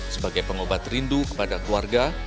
sebagai pengobat rindu kepada keluarga